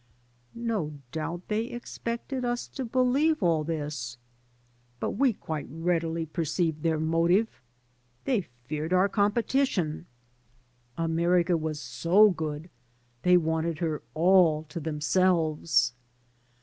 No doubt, they expected us to believe all this. But we quite readily perceived their motive — ^they feared our competition; America was so good that they wanted 32 THE EXODUS her all to themselves.